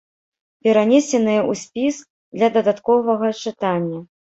Перанесеныя ў спіс для дадатковага чытання.